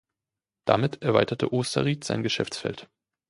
Damit erweiterte Osterrieth sein Geschäftsfeld.